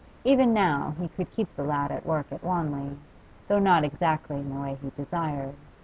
Even now he could keep the lad at work at Wanley, though not exactly in the way he desired.